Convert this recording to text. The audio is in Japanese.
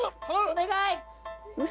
お願い！